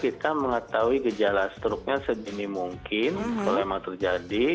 kita harus mengetahui gejala stroke nya sejenis mungkin kalau memang terjadi